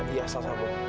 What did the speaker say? iya sal sabu